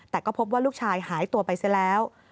แต่ก็พบว่าลูกชายหายตัวไปซะแล้ว